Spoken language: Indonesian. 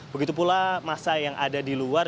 begitu pula masa yang ada di luar